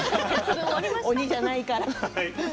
鬼じゃないから。